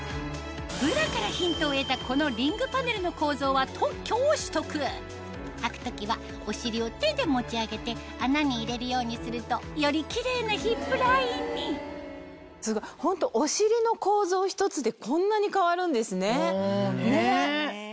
ブラからヒントを得たこのリングパネルの構造は特許を取得はく時はお尻を手で持ち上げて穴に入れるようにするとよりキレイなヒップラインにホントお尻の構造ひとつでこんなに変わるんですね。ねぇ！